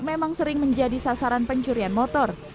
memang sering menjadi sasaran pencurian motor